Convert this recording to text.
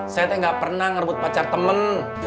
saya teh gak pernah ngerebut pacar temen